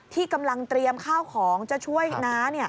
ที่กำลังเตรียมข้าวของจะช่วยน้า